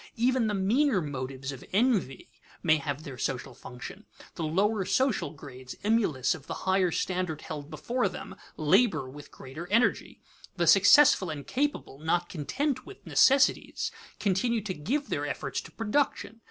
Even the meaner motives of envy may have their social function. The lower social grades, emulous of the higher standard held before them, labor with greater energy. The successful and capable, not content with necessities, continue to give their efforts to production.